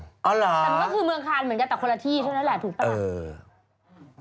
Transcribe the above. แต่มันก็คือเมืองคานเหมือนกันแต่คนละที่เท่านั้นแหละถูกป่ะ